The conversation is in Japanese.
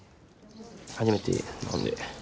初めてなんで。